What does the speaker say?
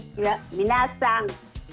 皆さん。